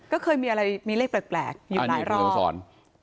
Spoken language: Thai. ก็เคยมีอะไรมีเลขแปลกอยู่หลายรอบมาสอน